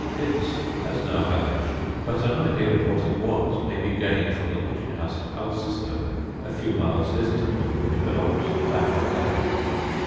It has now vanished; but an idea of what it was may be gained from the pigeon house at Alciston, a few miles distant, which belonged to Battle Abbey.